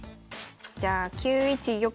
じゃあ９一玉。